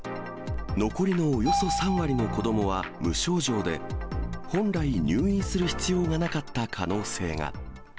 残りのおよそ３割の子どもは無症状で、本来、入院する必要がなかった可能性が。